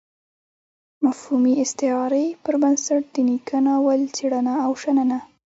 مفهومي استعارې پر بنسټ د نيکه ناول څېړنه او شننه.